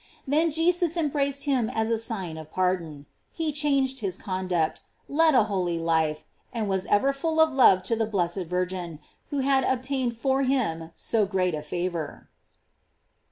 Then Jesus embraced him as a sign of pardon. He changed his conduct, led a holy life, and was ever full of love to the blessed Virgin, who had obtained for him so great a favor.